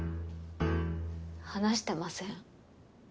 話してません。